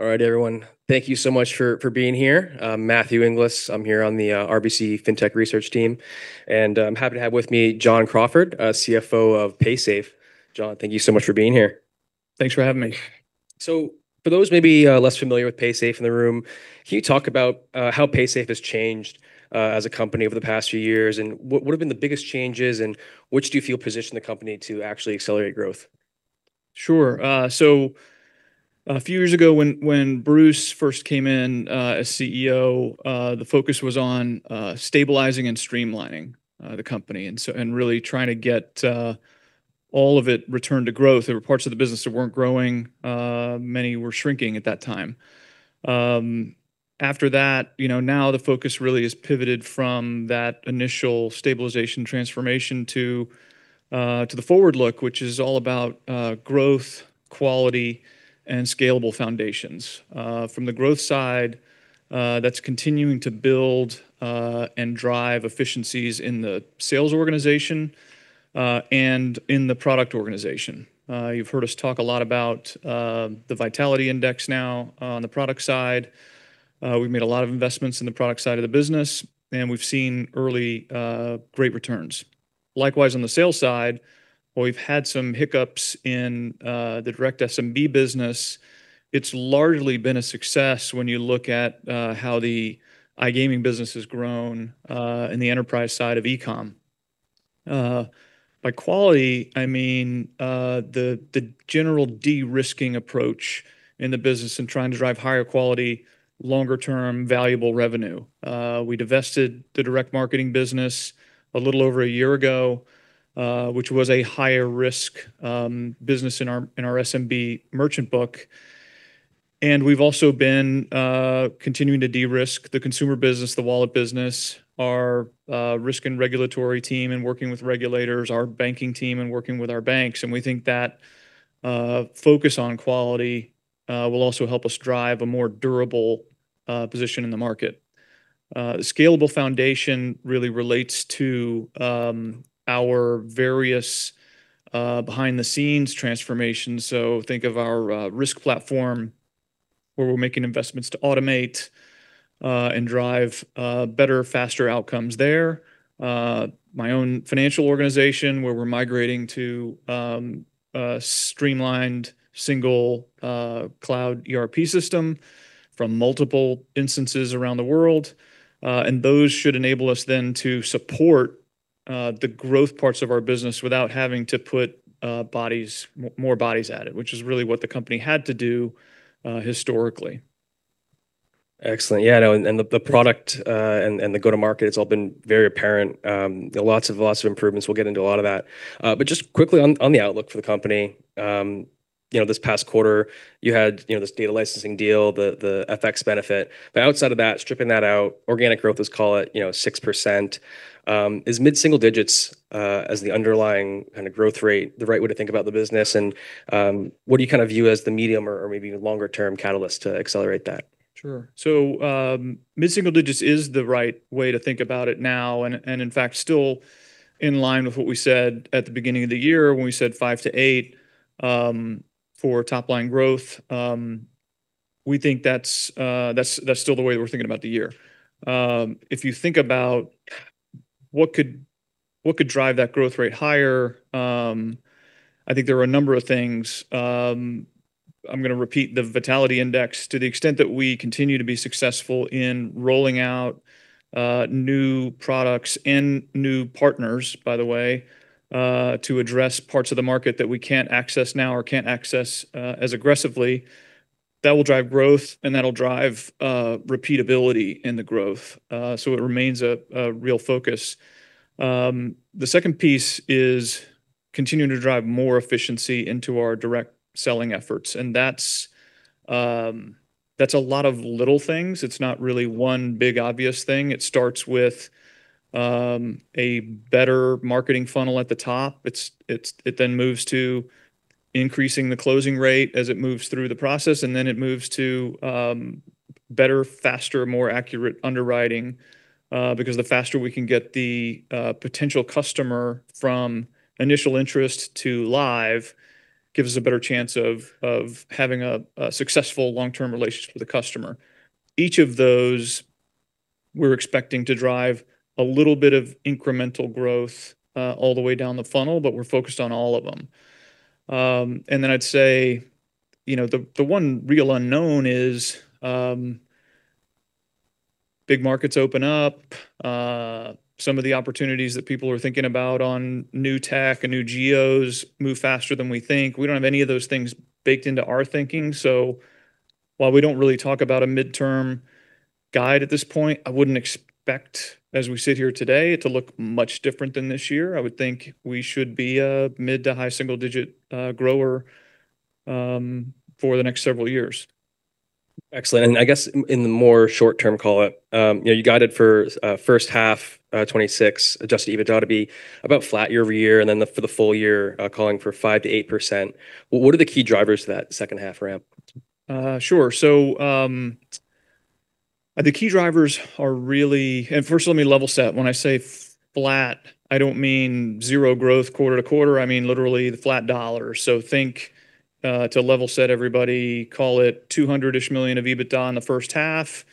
All right, everyone. Thank you so much for being here. I'm Matthew Inglis. I'm here on the RBC FinTech research team. I'm happy to have with me John Crawford, CFO of Paysafe. John, thank you so much for being here. Thanks for having me. For those maybe less familiar with Paysafe in the room, can you talk about how Paysafe has changed as a company over the past few years, and what have been the biggest changes, and which do you feel position the company to actually accelerate growth? Sure. A few years ago when Bruce first came in as CEO, the focus was on stabilizing and streamlining the company, and really trying to get all of it returned to growth. There were parts of the business that weren't growing. Many were shrinking at that time. After that, now the focus really has pivoted from that initial stabilization transformation to the forward look, which is all about growth, quality, and scalable foundations. From the growth side, that's continuing to build, and drive efficiencies in the sales organization, and in the product organization. You've heard us talk a lot about the Vitality Index now on the product side. We've made a lot of investments in the product side of the business, and we've seen early great returns. Likewise, on the sales side, we've had some hiccups in the direct SMB business. It's largely been a success when you look at how the iGaming business has grown, in the enterprise side of e-com. By quality, I mean, the general de-risking approach in the business and trying to drive higher quality, longer term valuable revenue. We divested the direct marketing business a little over a year ago, which was a higher risk business in our SMB merchant book. We've also been continuing to de-risk the consumer business, the wallet business, our risk and regulatory team, and working with regulators, our banking team, and working with our banks. We think that focus on quality will also help us drive a more durable position in the market. Scalable foundation really relates to our various behind-the-scenes transformations. Think of our risk platform, where we're making investments to automate, and drive better, faster outcomes there. My own financial organization where we're migrating to a streamlined single cloud ERP system from multiple instances around the world. Those should enable us then to support the growth parts of our business without having to put more bodies at it, which is really what the company had to do historically. Excellent. Yeah, the product, and the go-to market, it's all been very apparent. Lots of improvements. We'll get into a lot of that. Just quickly on the outlook for the company. This past quarter, you had this data licensing deal, the FX benefit. Outside of that, stripping that out, organic growth, let's call it 6%, is mid-single digits as the underlying growth rate the right way to think about the business? What do you view as the medium or maybe even longer-term catalyst to accelerate that? Sure. Mid-single digits is the right way to think about it now, and in fact, still in line with what we said at the beginning of the year when we said five to eight for top-line growth. We think that's still the way that we're thinking about the year. If you think about what could drive that growth rate higher, I think there are a number of things. I'm going to repeat the Vitality Index, to the extent that we continue to be successful in rolling out new products and new partners, by the way, to address parts of the market that we can't access now or can't access as aggressively. That will drive growth and that'll drive repeatability in the growth. It remains a real focus. The second piece is continuing to drive more efficiency into our direct selling efforts, and that's a lot of little things. It's not really one big obvious thing. It starts with a better marketing funnel at the top. It then moves to increasing the closing rate as it moves through the process, then it moves to better, faster, more accurate underwriting. Because the faster we can get the potential customer from initial interest to live gives us a better chance of having a successful long-term relationship with the customer. Each of those we're expecting to drive a little bit of incremental growth all the way down the funnel, but we're focused on all of them. Then I'd say the one real unknown is big markets open up. Some of the opportunities that people are thinking about on new tech and new geos move faster than we think. We don't have any of those things baked into our thinking. While we don't really talk about a midterm guide at this point, I wouldn't expect as we sit here today to look much different than this year. I would think we should be a mid to high single-digit grower for the next several years. Excellent. I guess in the more short term, call it, you guided for first half 2026, adjusted EBITDA to be about flat year-over-year, then for the full year calling for 5%-8%. What are the key drivers to that second half ramp? Sure. The key drivers are really First, let me level set. When I say flat, I don't mean zero growth quarter-over-quarter. I mean literally the flat dollar. Think, to level set everybody, call it $200 million of EBITDA in the first half.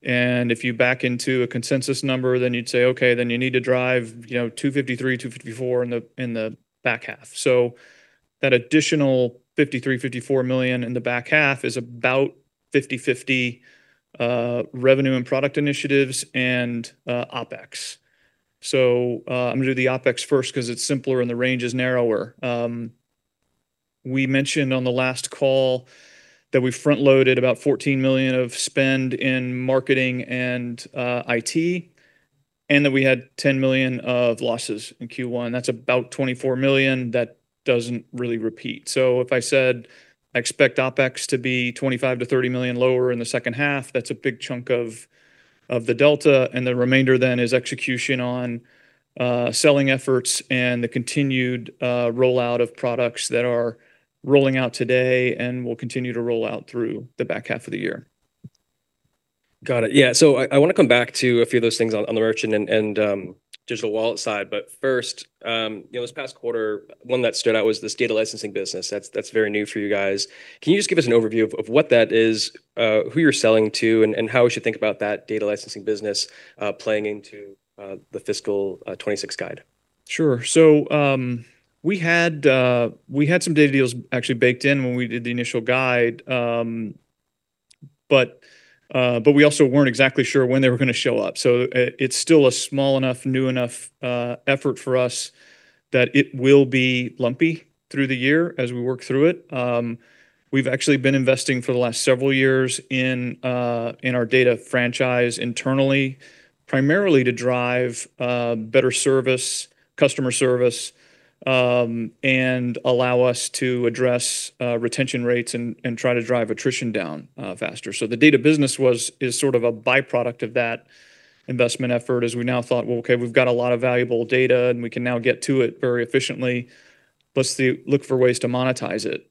If you back into a consensus number, you'd say, Okay, you need to drive $253 million-$254 million in the back half. That additional $53 million-$54 million in the back half is about 50/50 revenue and product initiatives and OpEx. I'm going to do the OpEx first because it's simpler and the range is narrower. We mentioned on the last call that we front-loaded about $14 million of spend in marketing and IT, and that we had $10 million of losses in Q1. That's about $24 million that doesn't really repeat. If I said I expect OpEx to be $25 million-$30 million lower in the second half, that's a big chunk of the delta, and the remainder then is execution on selling efforts and the continued rollout of products that are rolling out today and will continue to roll out through the back half of the year. Got it. Yeah. I want to come back to a few of those things on the merchant and digital wallet side. First, this past quarter, one that stood out was this data licensing business. That's very new for you guys. Can you just give us an overview of what that is, who you're selling to, and how we should think about that data licensing business playing into the fiscal 2026 guide? Sure. We had some data deals actually baked in when we did the initial guide, but we also weren't exactly sure when they were going to show up. It's still a small enough, new enough effort for us that it will be lumpy through the year as we work through it. We've actually been investing for the last several years in our data franchise internally, primarily to drive better service, customer service, and allow us to address retention rates and try to drive attrition down faster. The data business is sort of a byproduct of that investment effort, as we now thought, Well, okay, we've got a lot of valuable data, and we can now get to it very efficiently. Let's look for ways to monetize it.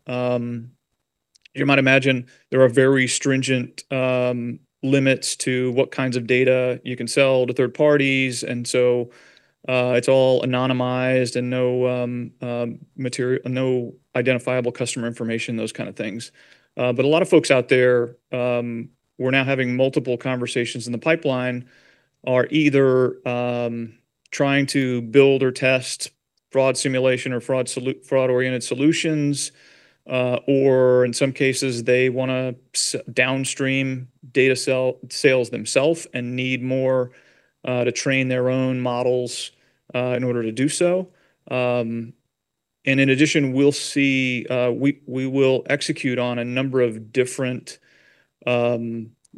You might imagine there are very stringent limits to what kinds of data you can sell to third parties, it's all anonymized and no identifiable customer information, those kind of things. A lot of folks out there, we're now having multiple conversations in the pipeline, are either trying to build or test fraud simulation or fraud-oriented solutions, or in some cases, they want to downstream data sales themselves and need more to train their own models in order to do so. In addition, we will execute on a number of different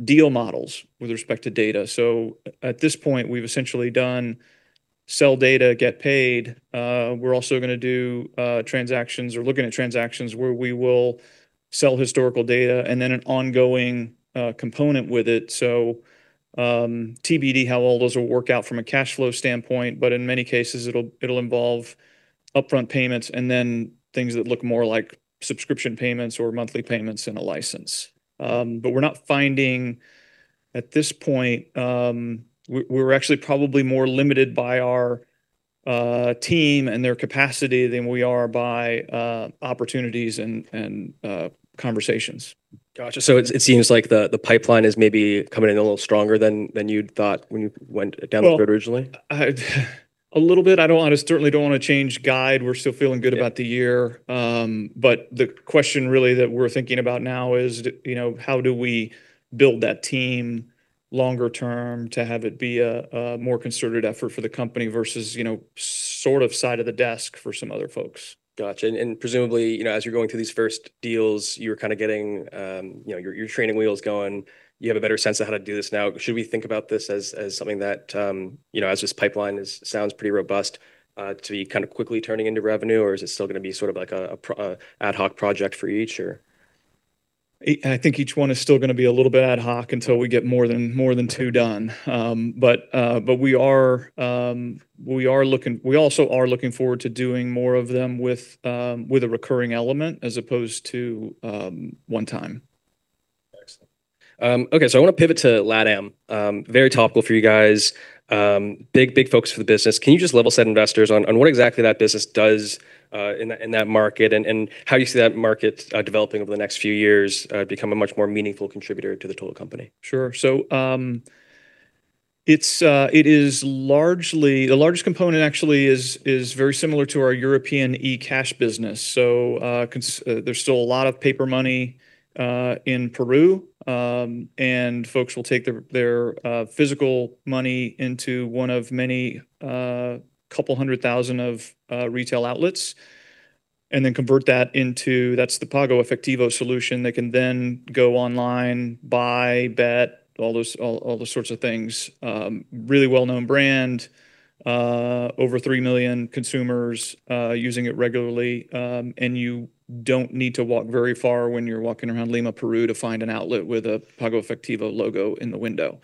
deal models with respect to data. At this point, we've essentially done sell data, get paid. We're also going to do transactions or looking at transactions where we will sell historical data and then an ongoing component with it. TBD how all those will work out from a cash flow standpoint, in many cases, it'll involve upfront payments and then things that look more like subscription payments or monthly payments and a license. We're not finding at this point, we're actually probably more limited by our team and their capacity than we are by opportunities and conversations. Got you. It seems like the pipeline is maybe coming in a little stronger than you'd thought when you went down the road originally. Well, a little bit. I certainly don't want to change guide. We're still feeling good about- Yeah The year. The question really that we're thinking about now is how do we build that team longer term to have it be a more concerted effort for the company versus sort of side of the desk for some other folks. Got you. Presumably, as you're going through these first deals, you're kind of getting your training wheels going. You have a better sense of how to do this now. Should we think about this as something that, as this pipeline sounds pretty robust, to be quickly turning into revenue, or is it still going to be sort of like an ad hoc project for each, or? I think each one is still going to be a little bit ad hoc until we get more than two done. We also are looking forward to doing more of them with a recurring element as opposed to one-time. Excellent. Okay. I want to pivot to LATAM. Very topical for you guys. Big focus for the business. Can you just level-set investors on what exactly that business does in that market, and how you see that market developing over the next few years to become a much more meaningful contributor to the total company? Sure. The largest component actually is very similar to our European eCash business. There's still a lot of paper money in Peru, and folks will take their physical money into one of many 200,000 of retail outlets and then convert that into, that's the PagoEfectivo solution. They can then go online, buy, bet, all those sorts of things. Really well-known brand. Over 3 million consumers using it regularly. You don't need to walk very far when you're walking around Lima, Peru, to find an outlet with a PagoEfectivo logo in the window.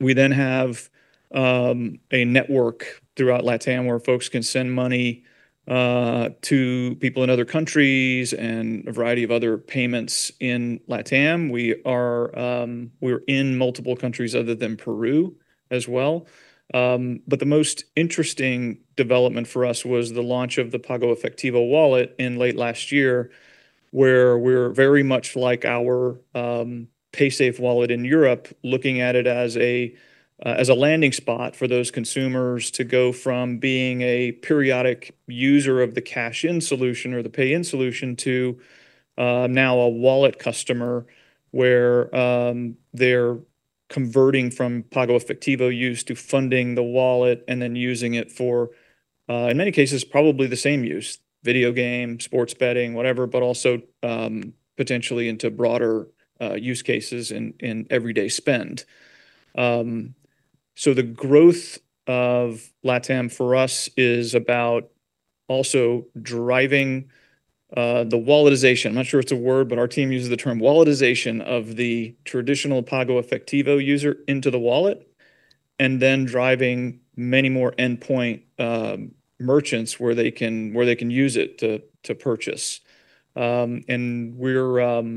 We then have a network throughout LATAM where folks can send money to people in other countries and a variety of other payments in LATAM. We are in multiple countries other than Peru as well. The most interesting development for us was the launch of the PagoEfectivo wallet in late last year, where we're very much like our Paysafe wallet in Europe, looking at it as a landing spot for those consumers to go from being a periodic user of the cash-in solution or the pay-in solution to now a wallet customer, where they're converting from PagoEfectivo use to funding the wallet and then using it for, in many cases, probably the same use, video game, sports betting, whatever, but also potentially into broader use cases in everyday spend. The growth of LATAM for us is about also driving the walletization. I'm not sure it's a word, but our team uses the term walletization of the traditional PagoEfectivo user into the wallet, and then driving many more endpoint merchants where they can use it to purchase. We're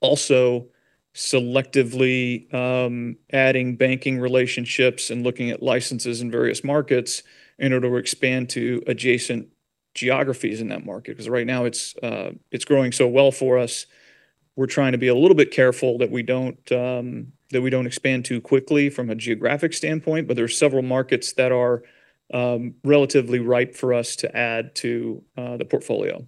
also selectively adding banking relationships and looking at licenses in various markets in order to expand to adjacent geographies in that market. Because right now it's growing so well for us, we're trying to be a little bit careful that we don't expand too quickly from a geographic standpoint. There are several markets that are relatively ripe for us to add to the portfolio.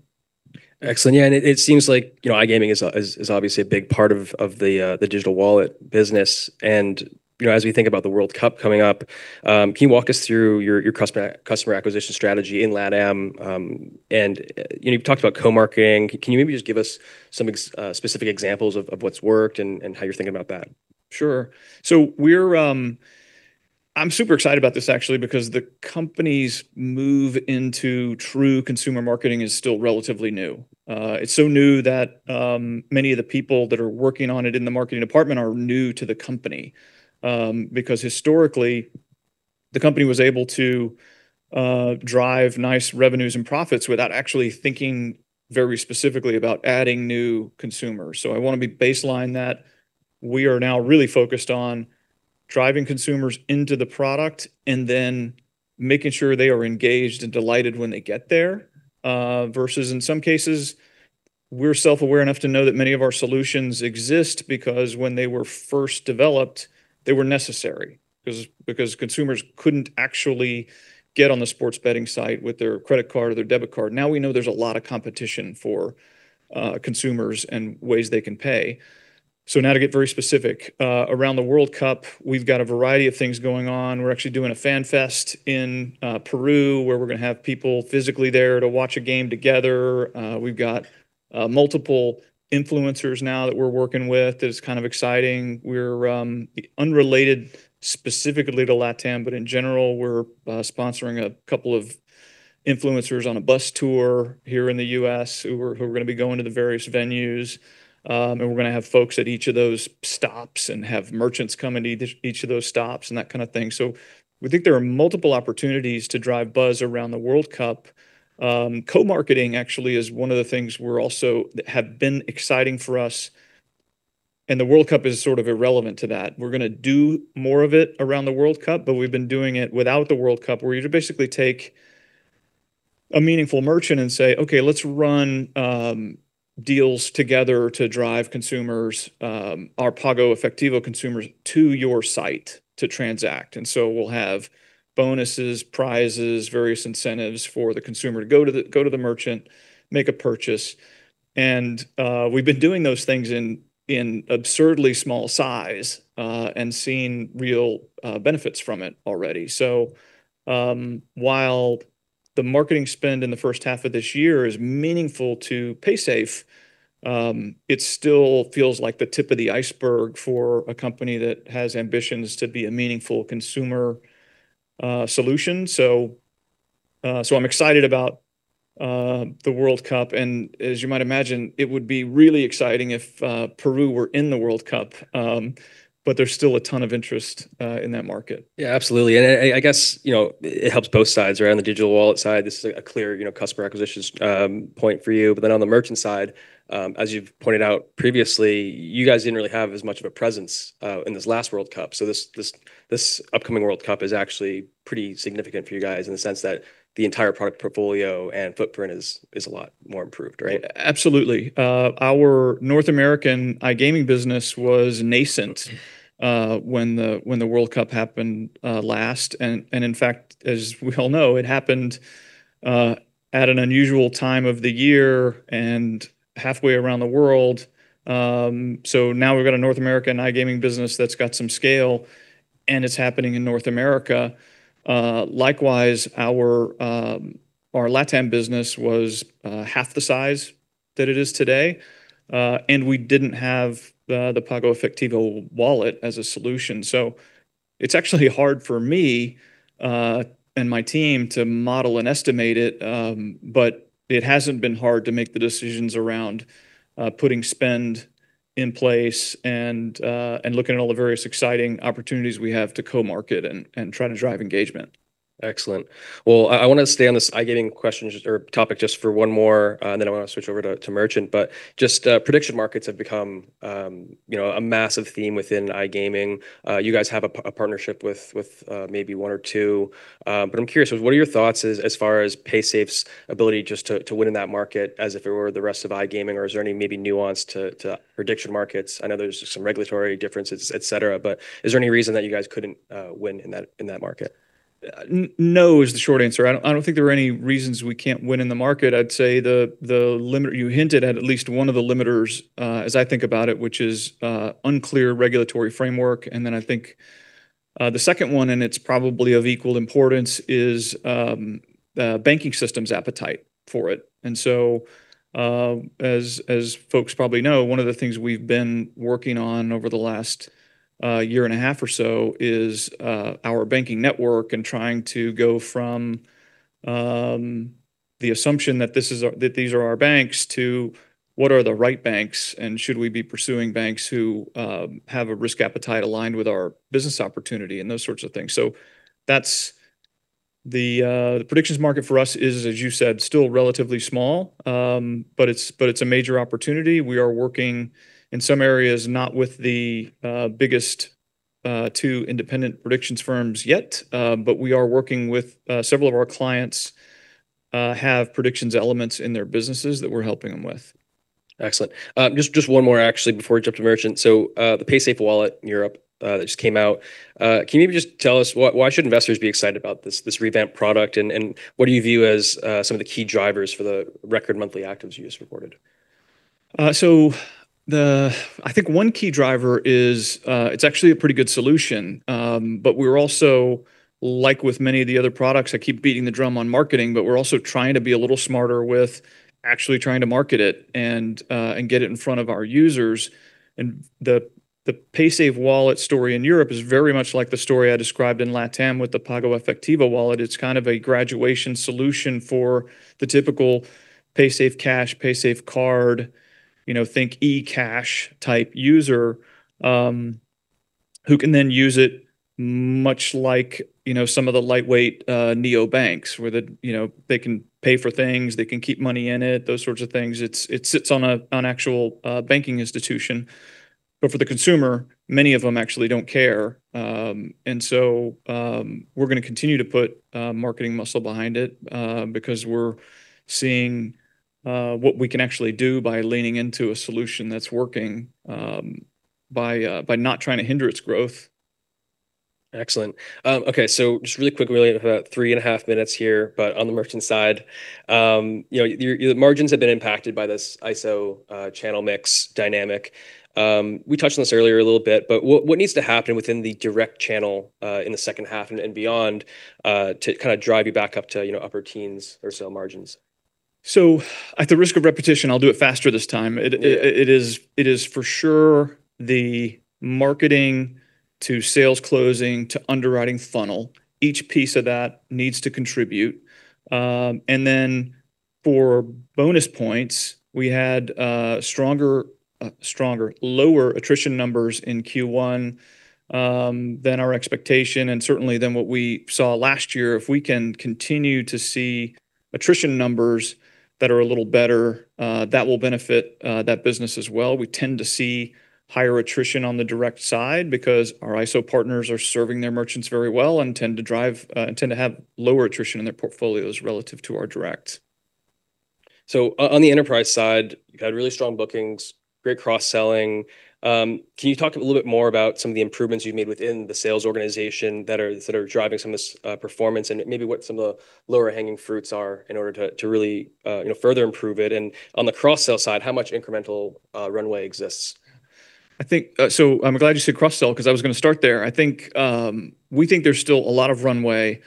Excellent. Yeah, it seems like iGaming is obviously a big part of the digital wallet business. As we think about the World Cup coming up, can you walk us through your customer acquisition strategy in LATAM? You've talked about co-marketing. Can you maybe just give us some specific examples of what's worked and how you're thinking about that? Sure. I'm super excited about this, actually, because the company's move into true consumer marketing is still relatively new. It's so new that many of the people that are working on it in the marketing department are new to the company. Because historically, the company was able to drive nice revenues and profits without actually thinking very specifically about adding new consumers. I want to baseline that we are now really focused on driving consumers into the product and then making sure they are engaged and delighted when they get there. Versus in some cases, we're self-aware enough to know that many of our solutions exist because when they were first developed, they were necessary because consumers couldn't actually get on the sports betting site with their credit card or their debit card. Now we know there's a lot of competition for consumers and ways they can pay. Now to get very specific, around the World Cup, we've got a variety of things going on. We're actually doing a fan fest in Peru, where we're going to have people physically there to watch a game together. We've got multiple influencers now that we're working with. That is kind of exciting. We're unrelated specifically to LATAM, but in general, we're sponsoring a couple of influencers on a bus tour here in the U.S. who are going to be going to the various venues. We're going to have folks at each of those stops and have merchants come into each of those stops and that kind of thing. We think there are multiple opportunities to drive buzz around the World Cup. Co-marketing actually is one of the things that have been exciting for us. The World Cup is sort of irrelevant to that. We're going to do more of it around the World Cup. We've been doing it without the World Cup, where you basically take a meaningful merchant and say, Okay, let's run deals together to drive our PagoEfectivo consumers to your site to transact. We'll have bonuses, prizes, various incentives for the consumer to go to the merchant, make a purchase. We've been doing those things in absurdly small size, and seen real benefits from it already. While the marketing spend in the first half of this year is meaningful to Paysafe, it still feels like the tip of the iceberg for a company that has ambitions to be a meaningful consumer solution. I'm excited about the World Cup. As you might imagine, it would be really exciting if Peru were in the World Cup. There's still a ton of interest in that market. Yeah, absolutely. I guess it helps both sides. Around the digital wallet side, this is a clear customer acquisitions point for you. On the merchant side, as you've pointed out previously, you guys didn't really have as much of a presence in this last World Cup. This upcoming World Cup is actually pretty significant for you guys in the sense that the entire product portfolio and footprint is a lot more improved, right? Absolutely. Our North American iGaming business was nascent when the World Cup happened last. In fact, as we all know, it happened at an unusual time of the year and halfway around the world. Now we've got a North American iGaming business that's got some scale, and it's happening in North America. Likewise, our LATAM business was half the size that it is today. We didn't have the PagoEfectivo wallet as a solution. It's actually hard for me and my team to model and estimate it, but it hasn't been hard to make the decisions around putting spend in place and looking at all the various exciting opportunities we have to co-market and try to drive engagement. Excellent. Well, I want to stay on this iGaming question or topic just for one more, and then I want to switch over to merchant. Just prediction markets have become a massive theme within iGaming. You guys have a partnership with maybe one or two. I'm curious, what are your thoughts as far as Paysafe's ability just to win in that market as if it were the rest of iGaming or is there any maybe nuance to prediction markets? I know there's some regulatory differences, et cetera, but is there any reason that you guys couldn't win in that market? No is the short answer. I don't think there are any reasons we can't win in the market. I'd say the limit you hinted at at least one of the limiters, as I think about it, which is unclear regulatory framework. Then I think the second one, and it's probably of equal importance, is the banking system's appetite for it. As folks probably know, one of the things we've been working on over the last year and a half or so is our banking network and trying to go from the assumption that these are our banks to what are the right banks, and should we be pursuing banks who have a risk appetite aligned with our business opportunity and those sorts of things. That's the predictions market for us is, as you said, still relatively small. It's a major opportunity. We are working in some areas, not with the biggest two independent predictions firms yet. We are working with several of our clients, have predictions elements in their businesses that we're helping them with. Excellent. Just one more actually before we jump to merchant. The Paysafe Wallet in Europe that just came out, can you maybe just tell us why should investors be excited about this revamped product, and what do you view as some of the key drivers for the record monthly actives you just reported? I think one key driver is, it's actually a pretty good solution. We're also like with many of the other products, I keep beating the drum on marketing, but we're also trying to be a little smarter with actually trying to market it and get it in front of our users. The PaysafeWallet story in Europe is very much like the story I described in LATAM with the PagoEfectivo wallet. It's kind of a graduation solution for the typical Paysafecash, paysafecard, think eCash-type user, who can then use it much like some of the lightweight neobanks where they can pay for things, they can keep money in it, those sorts of things. It sits on an actual banking institution, but for the consumer, many of them actually don't care. We're going to continue to put marketing muscle behind it, because we're seeing what we can actually do by leaning into a solution that's working by not trying to hinder its growth. Excellent. Okay. Just really quick, we only have about three and a half minutes here. On the merchant side, your margins have been impacted by this ISO channel mix dynamic. We touched on this earlier a little bit, but what needs to happen within the direct channel, in the second half and beyond, to kind of drive you back up to upper teens or so margins? At the risk of repetition, I'll do it faster this time. It is for sure the marketing to sales closing to underwriting funnel. Each piece of that needs to contribute. For bonus points, we had lower attrition numbers in Q1 than our expectation and certainly than what we saw last year. If we can continue to see attrition numbers that are a little better, that will benefit that business as well. We tend to see higher attrition on the direct side because our ISO partners are serving their merchants very well and tend to have lower attrition in their portfolios relative to our direct. On the enterprise side, you had really strong bookings, great cross-selling. Can you talk a little bit more about some of the improvements you've made within the sales organization that are driving some of this performance and maybe what some of the lower-hanging fruits are in order to really further improve it? On the cross-sell side, how much incremental runway exists? I'm glad you said cross-sell because I was going to start there. We think there's still a lot of runway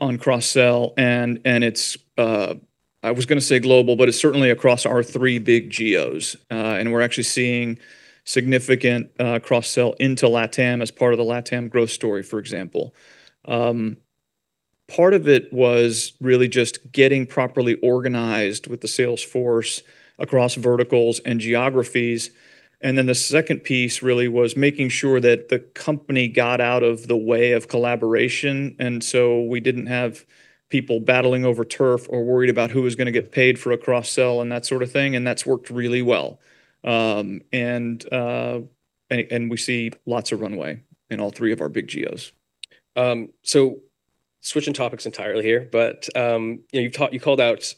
on cross-sell and it's, I was going to say global, but it's certainly across our three big geos. We're actually seeing significant cross-sell into LATAM as part of the LATAM growth story, for example. Part of it was really just getting properly organized with the sales force across verticals and geographies. The second piece really was making sure that the company got out of the way of collaboration. We didn't have people battling over turf or worried about who was going to get paid for a cross-sell and that sort of thing, and that's worked really well. We see lots of runway in all three of our big geos. Switching topics entirely here, you called out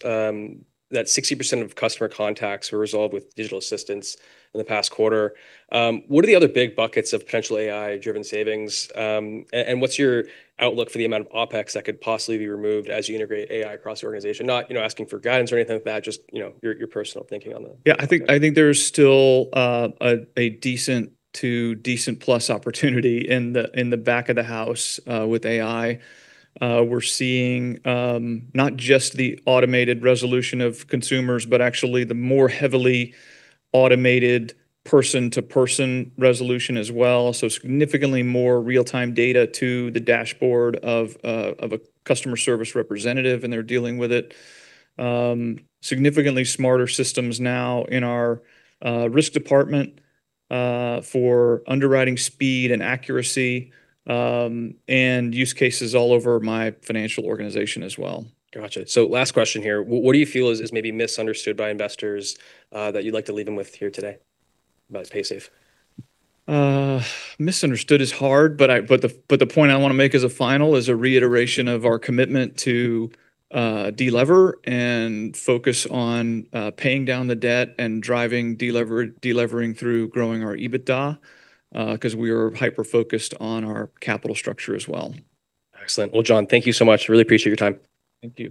that 60% of customer contacts were resolved with digital assistants in the past quarter. What are the other big buckets of potential AI-driven savings? What's your outlook for the amount of OpEx that could possibly be removed as you integrate AI across the organization? Not asking for guidance or anything like that, just your personal thinking on that. Yeah, I think there's still a decent to decent plus opportunity in the back of the house with AI. We're seeing not just the automated resolution of consumers, but actually the more heavily automated person-to-person resolution as well. Significantly more real-time data to the dashboard of a customer service representative, and they're dealing with it. Significantly smarter systems now in our risk department, for underwriting speed and accuracy, and use cases all over my financial organization as well. Got you. Last question here. What do you feel is maybe misunderstood by investors that you'd like to leave them with here today about Paysafe? Misunderstood is hard, but the point I want to make as a final is a reiteration of our commitment to delever and focus on paying down the debt and driving delevering through growing our EBITDA, because we are hyper-focused on our capital structure as well. Excellent. Well, John, thank you so much. Really appreciate your time. Thank you.